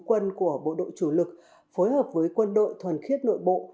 quân của bộ đội chủ lực phối hợp với quân đội thuần khiết nội bộ